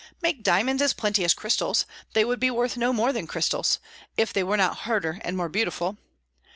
Make diamonds as plenty as crystals, they would be worth no more than crystals, if they were not harder and more beautiful.